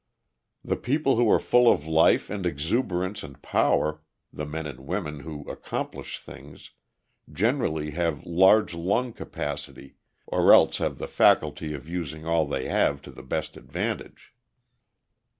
The people who are full of life and exuberance and power the men and women who accomplish things generally have large lung capacity, or else have the faculty of using all they have to the best advantage.